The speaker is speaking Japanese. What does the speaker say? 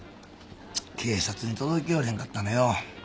警察に届けよれへんかったのよ。